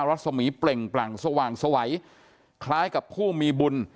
รัศมีเปล่งปลั่งสว่างสวัยคล้ายกับผู้มีบุญ